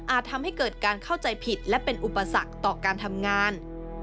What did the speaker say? ทำให้เกิดการเข้าใจผิดและเป็นอุปสรรคต่อการทำงาน